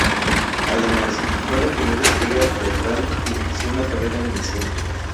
Además, fue la primera estrella teatral que inició una carrera en el cine.